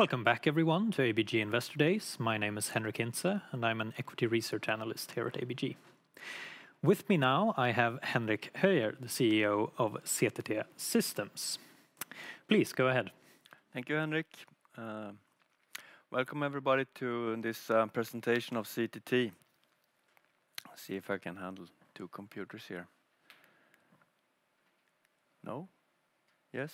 Welcome back everyone to ABG Investor Days. My name is Henric Hintze, and I'm an equity research analyst here at ABG. With me now, I have Henrik Höijer, the Chief Executive Officer of CTT Systems. Please, go ahead. Thank you, Henrik. Welcome, everybody, to this presentation of CTT. See if I can handle two computers here. No? Yes.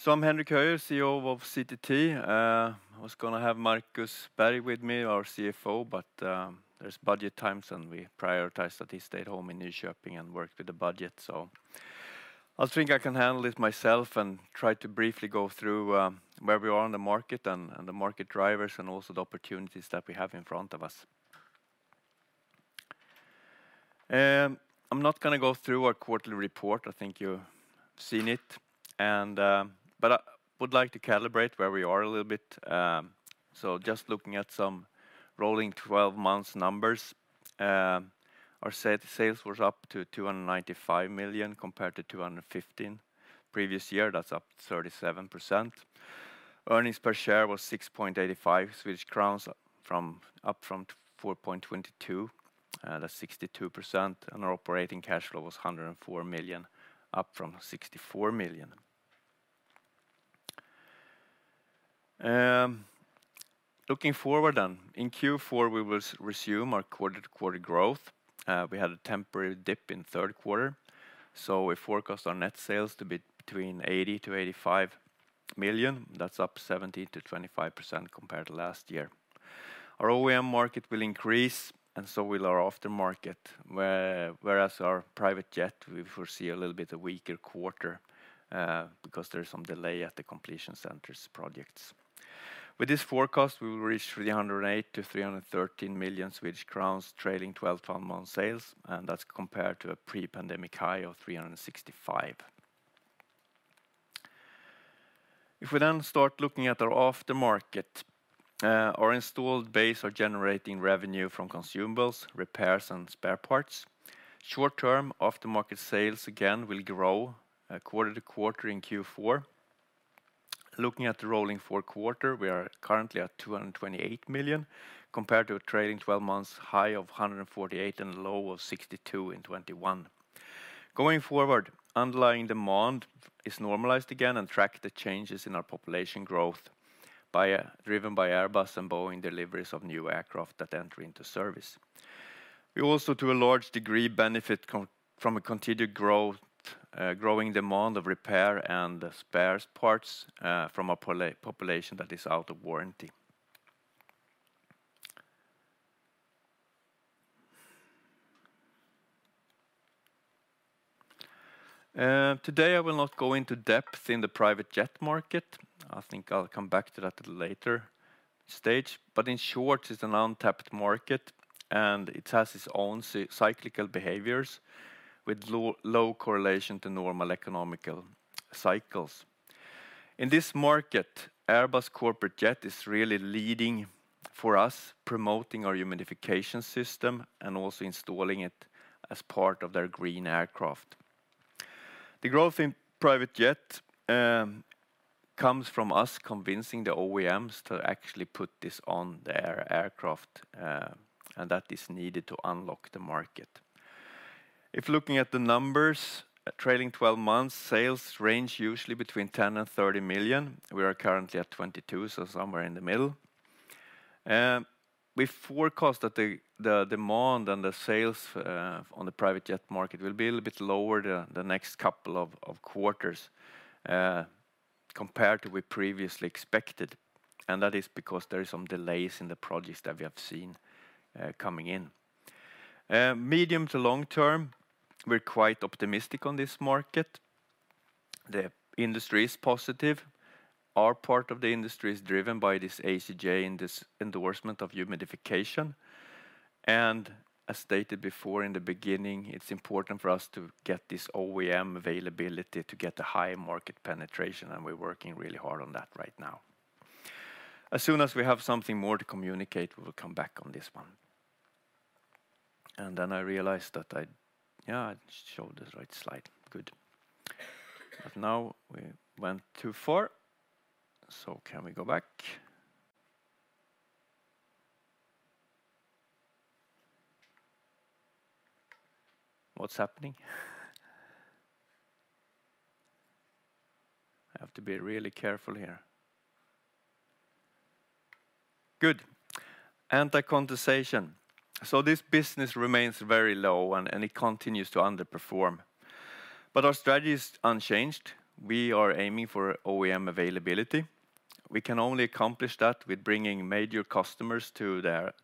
So I'm Henrik Höijer, Chief Executive Officer of CTT. I was gonna have Markus Berg with me, our Chief Financial Officer, but there's budget times, and we prioritized that he stayed home in Jönköping and worked with the budget, so. I think I can handle it myself and try to briefly go through where we are on the market and the market drivers, and also the opportunities that we have in front of us. I'm not gonna go through our quarterly report. I think you've seen it, and but I would like to calibrate where we are a little bit. So just looking at some rolling twelve months numbers, our sales was up to 295 million, compared to 215 million previous year. That's up 37%. Earnings per share was 6.85 Swedish crowns, up from 4.22, that's 62%, and our operating cash flow was 104 million, up from 64 million. Looking forward then, in Q4, we will resume our quarter-to-quarter growth. We had a temporary dip in third quarter, so we forecast our net sales to be between 80-85 million. That's up 17%-25% compared to last year. Our OEM market will increase, and so will our aftermarket, whereas our private jet, we foresee a little bit of weaker quarter, because there is some delay at the completion centers projects. With this forecast, we will reach 308 million-313 million Swedish crowns, trailing twelve-month sales, and that's compared to a pre-pandemic high of 365 million. If we then start looking at our aftermarket, our installed base are generating revenue from consumables, repairs, and spare parts. Short term, aftermarket sales again will grow quarter to quarter in Q4. Looking at the rolling four quarter, we are currently at 228 million, compared to a trailing twelve months high of 148 million and a low of 62 million in 2021. Going forward, underlying demand is normalized again and track the changes in our population growth by, driven by Airbus and Boeing deliveries of new aircraft that enter into service. We also, to a large degree, benefit from a continued growth, growing demand of repair and the spare parts, from a population that is out of warranty. Today, I will not go into depth in the private jet market. I think I'll come back to that at a later stage. But in short, it's an untapped market, and it has its own cyclical behaviors with low, low correlation to normal economic cycles. In this market, Airbus Corporate Jets is really leading for us, promoting our humidification system and also installing it as part of their green aircraft. The growth in private jet comes from us convincing the OEMs to actually put this on their aircraft, and that is needed to unlock the market. If looking at the numbers, a trailing twelve months, sales range usually between 10 million-30 million. We are currently at 22, so somewhere in the middle. We forecast that the demand and the sales on the private jet market will be a little bit lower the next couple of quarters compared to we previously expected, and that is because there is some delays in the projects that we have seen coming in. Medium to long term, we're quite optimistic on this market. The industry is positive. Our part of the industry is driven by this ACJ and this endorsement of humidification. And as stated before in the beginning, it's important for us to get this OEM availability to get a high market penetration, and we're working really hard on that right now. As soon as we have something more to communicate, we will come back on this one. And then I realized that I... Yeah, I showed the right slide. Good. But now we went too far, so can we go back? What's happening? I have to be really careful here. Good. Anti-condensation. So this business remains very low, and it continues to underperform, but our strategy is unchanged. We are aiming for OEM availability. We can only accomplish that with bringing major customers to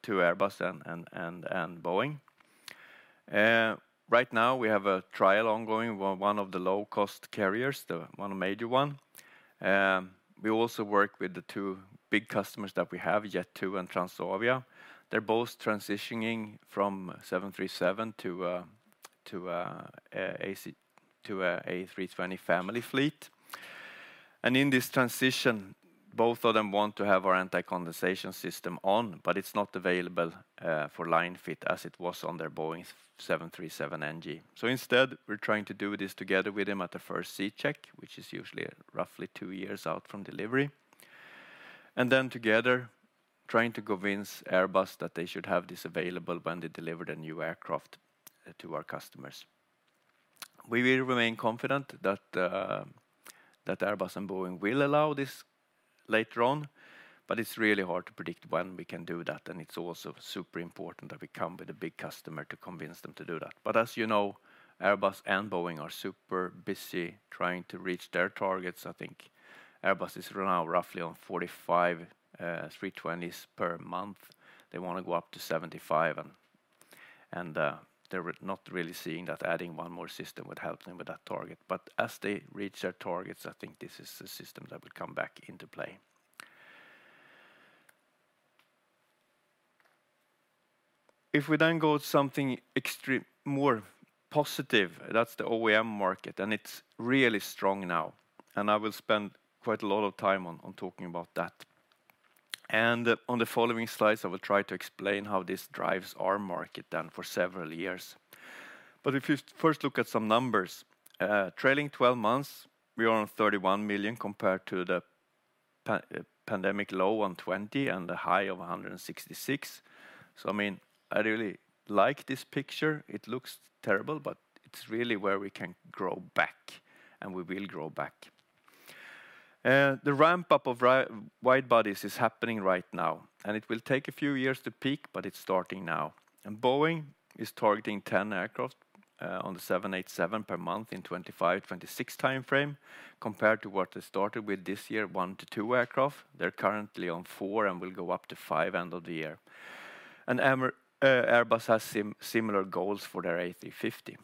Airbus and Boeing. Right now, we have a trial ongoing with one of the low-cost carriers, the one major one. We also work with the two big customers that we have, Jet2 and Transavia. They're both transitioning from 737 to an A320 family fleet. In this transition, both of them want to have our Anti-Condensation System on, but it's not available for line fit as it was on their Boeing 737 NG. So instead, we're trying to do this together with them at the first C check, which is usually roughly two years out from delivery... Then together, trying to convince Airbus that they should have this available when they deliver the new aircraft to our customers. We will remain confident that that Airbus and Boeing will allow this later on, but it's really hard to predict when we can do that, and it's also super important that we come with a big customer to convince them to do that. But as you know, Airbus and Boeing are super busy trying to reach their targets. I think Airbus is right now roughly on 45 320s per month. They want to go up to 75, and, and, they're not really seeing that adding one more system would help them with that target. But as they reach their targets, I think this is the system that will come back into play. If we then go something extreme - more positive, that's the OEM market, and it's really strong now, and I will spend quite a lot of time on talking about that. And on the following slides, I will try to explain how this drives our market down for several years. But if you first look at some numbers, trailing twelve months, we are on 31 million compared to the pandemic low on 20 and a high of 166. So, I mean, I really like this picture. It looks terrible, but it's really where we can grow back, and we will grow back. The ramp-up of wide-bodies is happening right now, and it will take a few years to peak, but it's starting now. Boeing is targeting 10 aircraft on the 787 per month in 2025-2026 timeframe, compared to what they started with this year, one to two aircraft. They're currently on four and will go up to five end of the year. Airbus has similar goals for their A350.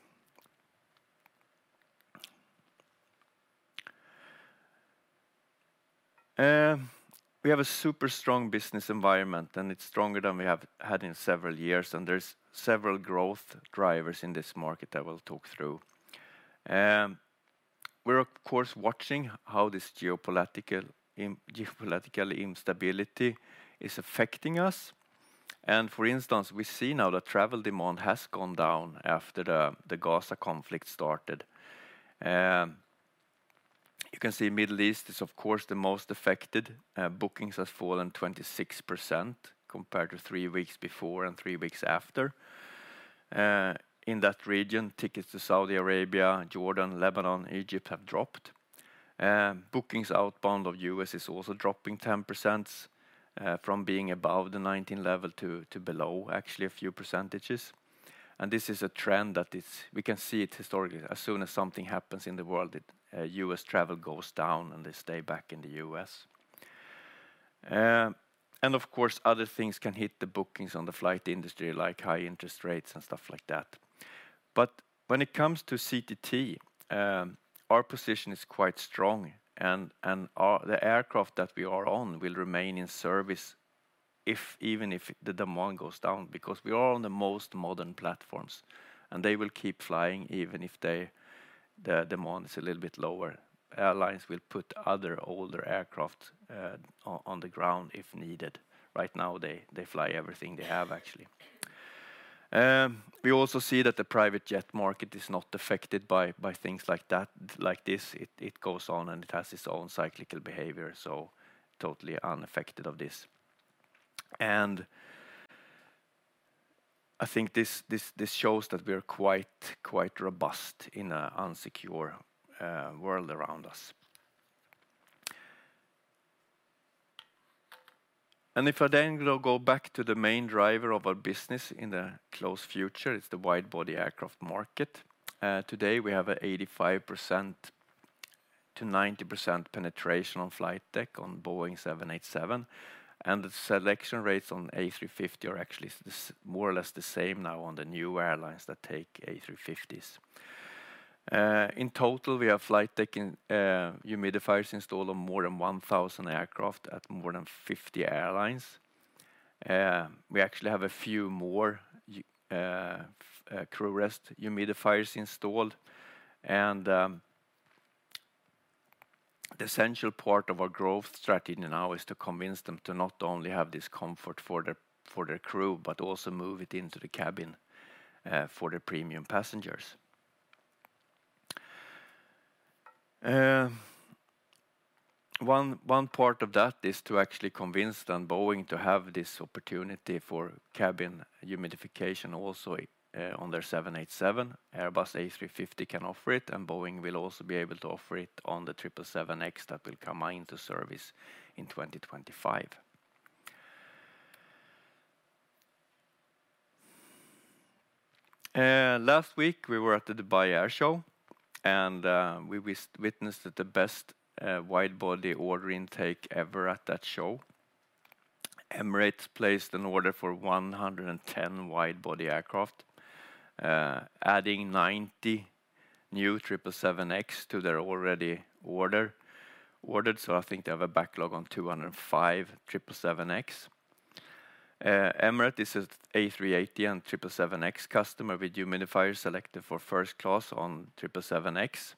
We have a super strong business environment, and it's stronger than we have had in several years, and there's several growth drivers in this market that we'll talk through. We're of course watching how this geopolitical instability is affecting us. And for instance, we see now that travel demand has gone down after the Gaza conflict started. You can see Middle East is, of course, the most affected. Bookings has fallen 26% compared to three weeks before and three weeks after. In that region, tickets to Saudi Arabia, Jordan, Lebanon, Egypt have dropped. Bookings outbound of U.S. is also dropping 10%, from being above the 2019 level to below, actually, a few percentages. And this is a trend that is, we can see it historically. As soon as something happens in the world, it, U.S. travel goes down, and they stay back in the U.S. And of course, other things can hit the bookings on the flight industry, like high interest rates and stuff like that. But when it comes to CTT, our position is quite strong, and the aircraft that we are on will remain in service even if the demand goes down, because we are on the most modern platforms, and they will keep flying, even if the demand is a little bit lower. Airlines will put other older aircraft on the ground if needed. Right now, they fly everything they have, actually. We also see that the private jet market is not affected by things like that, like this. It goes on, and it has its own cyclical behavior, so totally unaffected of this. And I think this shows that we are quite robust in an unsecure world around us. If I then go back to the main driver of our business in the close future, it's the wide-body aircraft market. Today, we have 85%-90% penetration on flight deck on Boeing 787, and the selection rates on A350 are actually the same more or less now on the new airlines that take A350s. In total, we have flight deck and humidifiers installed on more than 1,000 aircraft at more than 50 airlines. We actually have a few more crew rest humidifiers installed, and the essential part of our growth strategy now is to convince them to not only have this comfort for their crew, but also move it into the cabin for the premium passengers. One part of that is to actually convince Boeing to have this opportunity for cabin humidification also on their 787. Airbus A350 can offer it, and Boeing will also be able to offer it on the 777X that will come into service in 2025. Last week, we were at the Dubai Air Show, and we witnessed the best wide-body order intake ever at that show. Emirates placed an order for 110 wide-body aircraft, adding 90 new 777X to their already ordered, so I think they have a backlog of 205 777X. Emirates, this is A380 and 777X customer, with humidifier selected for first class on 777X,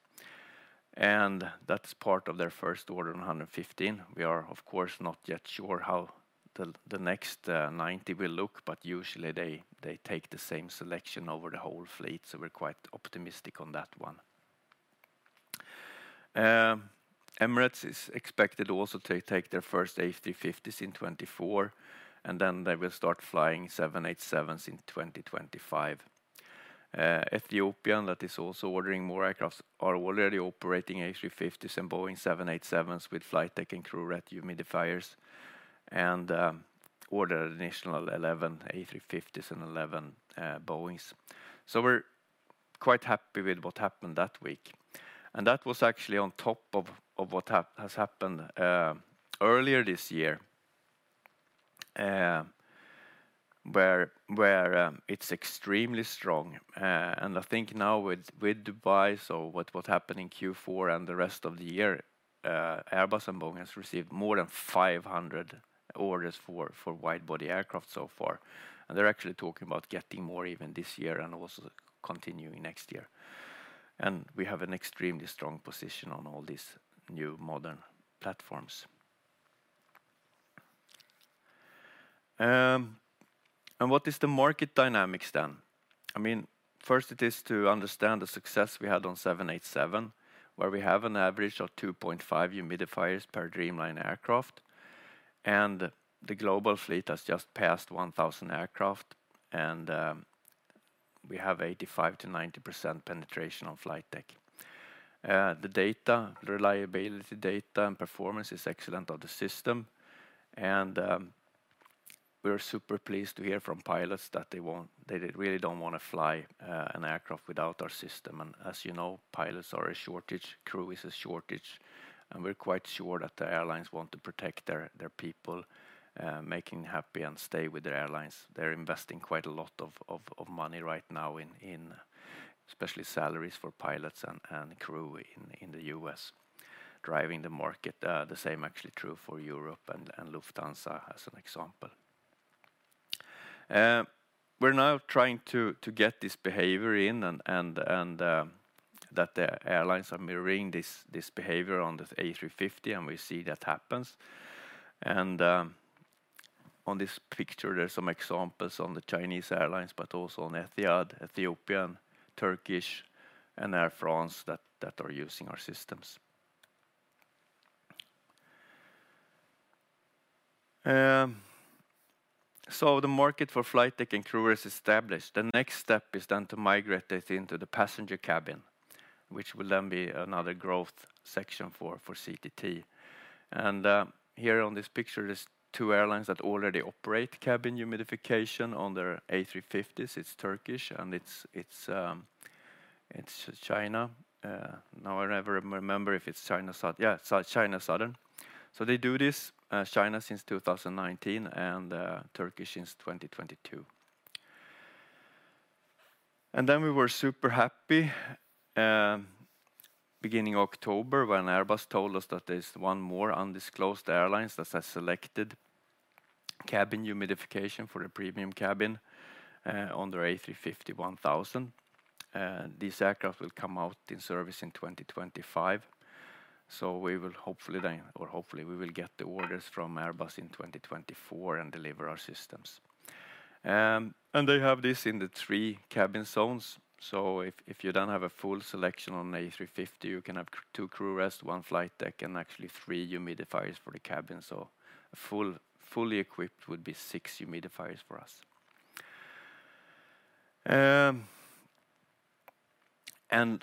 and that's part of their first order of 115. We are, of course, not yet sure how the next 90 will look, but usually, they take the same selection over the whole fleet, so we're quite optimistic on that one. Emirates is expected also to take their first A350s in 2024, and then they will start flying 787s in 2025. Ethiopian, that is also ordering more aircraft, are already operating A350s and Boeing 787s with flight deck and crew rest humidifiers, and order an additional 11 A350s and 11 Boeings. So we're quite happy with what happened that week, and that was actually on top of what has happened earlier this year, where it's extremely strong. And I think now with Dubai, so with what happened in Q4 and the rest of the year, Airbus and Boeing has received more than 500 orders for wide-body aircraft so far. And they're actually talking about getting more even this year and also continuing next year. And we have an extremely strong position on all these new modern platforms. And what is the market dynamics, then? I mean, first, it is to understand the success we had on 787, where we have an average of 2.5 humidifiers per Dreamliner aircraft, and the global fleet has just passed 1,000 aircraft, and we have 85%-90% penetration on flight deck. The data, reliability data and performance is excellent of the system, and, we're super pleased to hear from pilots that they won't-- they really don't want to fly an aircraft without our system. And as you know, pilots are a shortage, crew is a shortage, and we're quite sure that the airlines want to protect their people, making happy and stay with their airlines. They're investing quite a lot of money right now in especially salaries for pilots and crew in the U.S, driving the market. The same actually true for Europe and Lufthansa, as an example. We're now trying to get this behavior in and that the airlines are mirroring this behavior on the A350, and we see that happens. On this picture, there are some examples on the Chinese airlines, but also on Etihad, Ethiopian, Turkish, and Air France that are using our systems. So the market for flight deck and crew is established. The next step is then to migrate this into the passenger cabin, which will then be another growth section for CTT. Here on this picture, there are two airlines that already operate cabin humidification on their A350s. It's Turkish, and it's China. Now, I never remember if it's China South—yeah, China Southern. So they do this, China since 2019 and Turkish since 2022. And then we were super happy, beginning of October, when Airbus told us that there's one more undisclosed airline that has selected cabin humidification for the premium cabin on their A350-1000. These aircraft will come out in service in 2025, so we will hopefully then, or hopefully we will get the orders from Airbus in 2024 and deliver our systems. And they have this in the three cabin zones, so if, if you don't have a full selection on the A350, you can have two crew rest, one flight deck, and actually three humidifiers for the cabin. So a fully equipped would be six humidifiers for us. And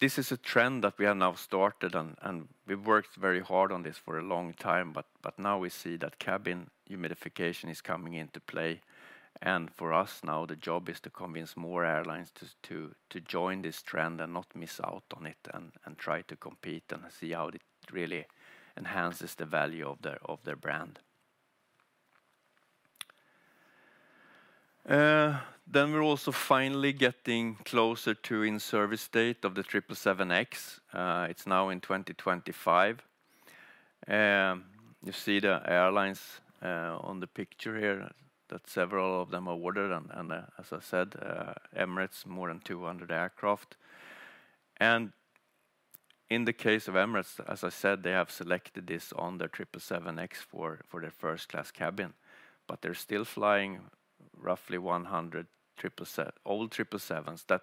this is a trend that we have now started, and we've worked very hard on this for a long time, but now we see that cabin humidification is coming into play. For us now, the job is to convince more airlines to join this trend and not miss out on it and try to compete and see how it really enhances the value of their brand. Then we're also finally getting closer to in-service date of the 777X. It's now in 2025. You see the airlines on the picture here, that several of them are ordered, and as I said, Emirates, more than 200 aircraft. And in the case of Emirates, as I said, they have selected this on their 777X for their first-class cabin. But they're still flying roughly 100 old 777s that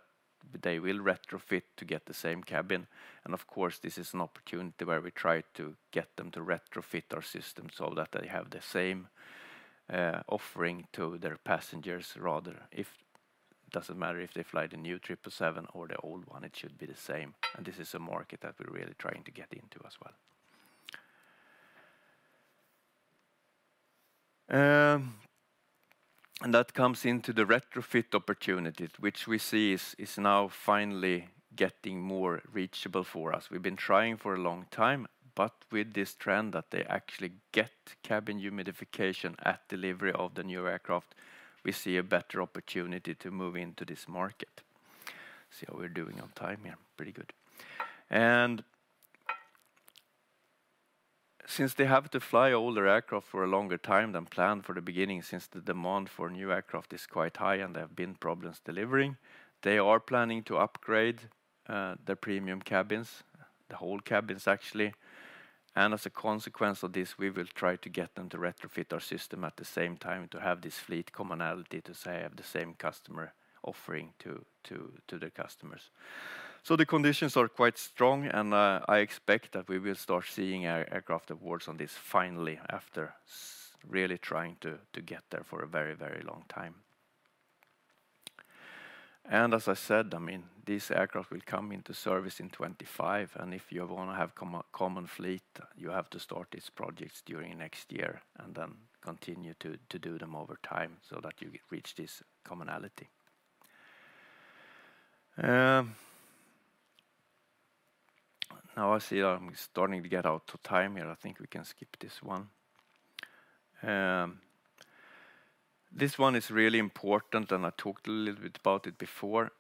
they will retrofit to get the same cabin. Of course, this is an opportunity where we try to get them to retrofit our system so that they have the same offering to their passengers, rather if-- doesn't matter if they fly the new triple seven or the old one, it should be the same. This is a market that we're really trying to get into as well. And that comes into the retrofit opportunity, which we see is, is now finally getting more reachable for us. We've been trying for a long time, but with this trend, that they actually get cabin humidification at delivery of the new aircraft, we see a better opportunity to move into this market. See how we're doing on time here. Pretty good. And since they have to fly older aircraft for a longer time than planned for the beginning, since the demand for new aircraft is quite high and there have been problems delivering, they are planning to upgrade their premium cabins... the whole cabins actually. And as a consequence of this, we will try to get them to retrofit our system at the same time, to have this fleet commonality, to have the same customer offering to the customers. So the conditions are quite strong, and I expect that we will start seeing aircraft awards on this finally, after really trying to get there for a very, very long time. As I said, I mean, these aircraft will come into service in 2025, and if you want to have common fleet, you have to start these projects during next year, and then continue to do them over time so that you reach this commonality. Now I see I'm starting to get out of time here. I think we can skip this one. This one is really important, and I talked a little bit about it before.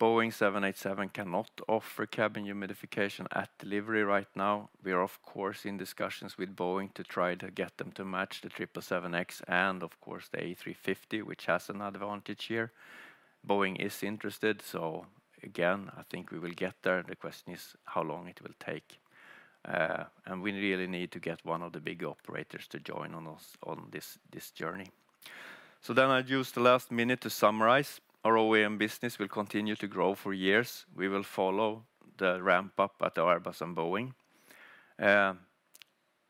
Boeing 787 cannot offer cabin humidification at delivery right now. We are, of course, in discussions with Boeing to try to get them to match the 777X, and of course, the A350, which has an advantage here. Boeing is interested, so again, I think we will get there. The question is how long it will take. And we really need to get one of the big operators to join on us on this journey. So then I'd use the last minute to summarize. Our OEM business will continue to grow for years. We will follow the ramp-up at Airbus and Boeing.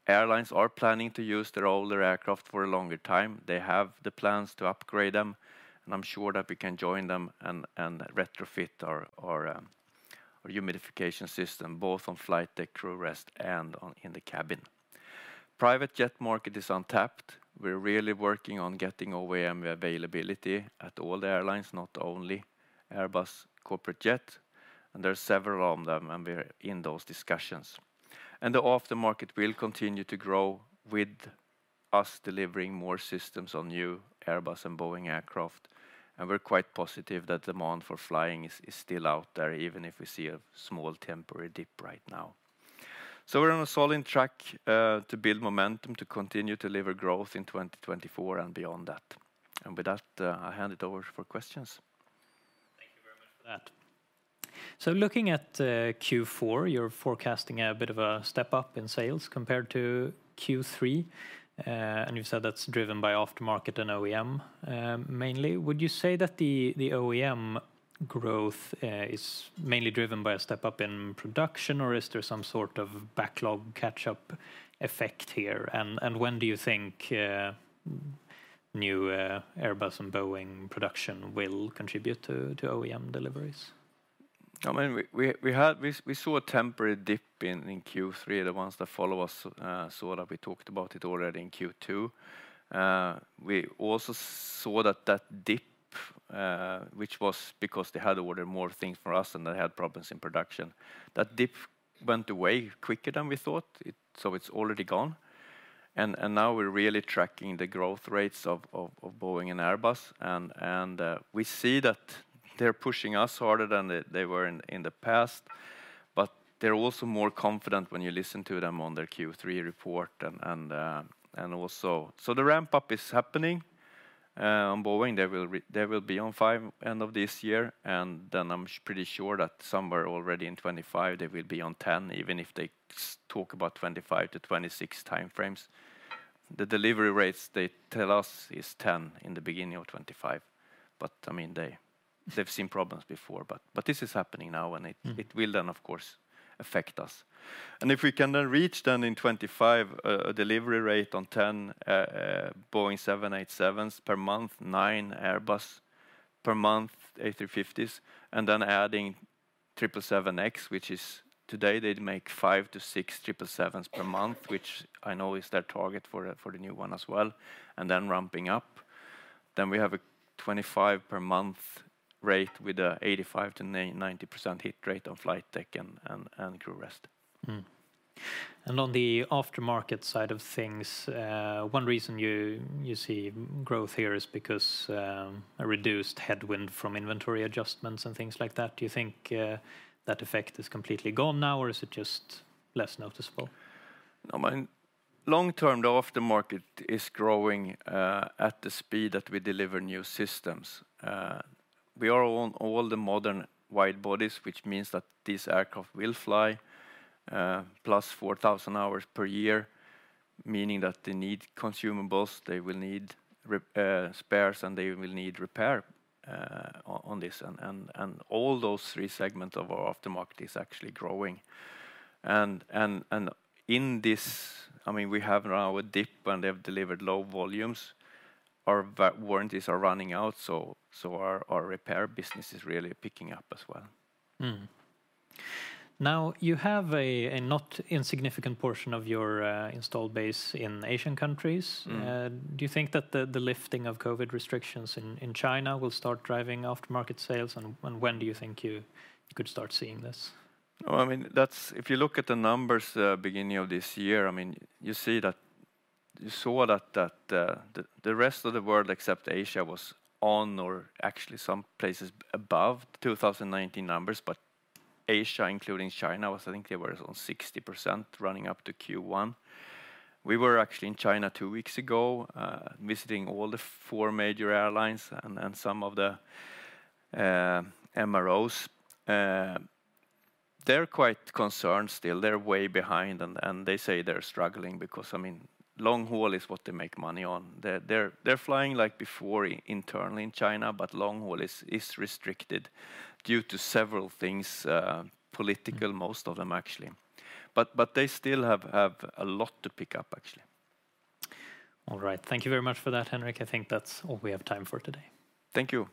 Airlines are planning to use their older aircraft for a longer time. They have the plans to upgrade them, and I'm sure that we can join them and retrofit our humidification system, both on flight deck, crew rest, and in the cabin. Private jet market is untapped. We're really working on getting OEM availability at all the airlines, not only Airbus Corporate Jet, and there are several of them, and we're in those discussions. And the aftermarket will continue to grow, with us delivering more systems on new Airbus and Boeing aircraft, and we're quite positive that demand for flying is still out there, even if we see a small temporary dip right now. We're on a solid track to build momentum, to continue to deliver growth in 2024 and beyond that. And with that, I hand it over for questions. Thank you very much for that. So looking at Q4, you're forecasting a bit of a step up in sales compared to Q3, and you've said that's driven by aftermarket and OEM, mainly. Would you say that the OEM growth is mainly driven by a step up in production, or is there some sort of backlog catch-up effect here? And when do you think new Airbus and Boeing production will contribute to OEM deliveries? I mean, we had—we saw a temporary dip in Q3, the ones that follow us saw that we talked about it already in Q2. We also saw that that dip, which was because they had ordered more things from us, and they had problems in production, that dip went away quicker than we thought. It—so it's already gone, and now we're really tracking the growth rates of Boeing and Airbus, and we see that they're pushing us harder than they were in the past. But they're also more confident when you listen to them on their Q3 report, and also... So the ramp-up is happening. On Boeing, they will be on five end of this year, and then I'm pretty sure that somewhere already in 2025, they will be on 10, even if they talk about 2025-2026 timeframes. The delivery rates, they tell us, is 10 in the beginning of 2025, but I mean, they they've seen problems before. But this is happening now, and it- it will then, of course, affect us. And if we can then reach in 25, a delivery rate on 10 Boeing 787s per month, nine Airbus per month, A350s, and then adding 777X, which is today, they'd make five to six 777s per month, which I know is their target for the new one as well, and then ramping up, then we have a 25-per-month rate with an 85%-90% hit rate on flight deck and crew rest. And on the aftermarket side of things, one reason you, you see growth here is because a reduced headwind from inventory adjustments and things like that. Do you think that effect is completely gone now, or is it just less noticeable? No, I mean, long term, the aftermarket is growing at the speed that we deliver new systems. We are on all the modern wide bodies, which means that these aircraft will fly plus 4,000 hours per year, meaning that they need consumables, they will need spares, and they will need repair on this. And, and, and all those three segments of our aftermarket is actually growing. And, and, and in this, I mean, we have our dip, and they've delivered low volumes. Our warranties are running out, so, so our, our repair business is really picking up as well. Now, you have a, a not insignificant portion of your, installed base in Asian countries. Do you think that the lifting of COVID restrictions in China will start driving aftermarket sales? And when do you think you could start seeing this? Oh, I mean, that's if you look at the numbers, beginning of this year, I mean, you see that. You saw that the rest of the world, except Asia, was on or actually some places above 2019 numbers, but Asia, including China, was I think they were on 60% running up to Q1. We were actually in China two weeks ago, visiting all the four major airlines and some of the MROs. They're quite concerned still. They're way behind, and they say they're struggling because, I mean, long haul is what they make money on. They're flying like before internally in China, but long haul is restricted due to several things, political, most of them actually. But they still have a lot to pick up, actually. All right. Thank you very much for that, Henrik. I think that's all we have time for today. Thank you.